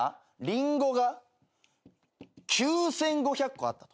リンゴが９，５００個あった。